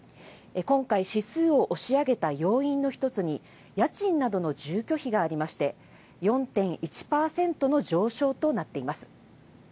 今回、指数を押し上げた要因の１つに、家賃等の住居費がありまして、４．１％の上昇となっています。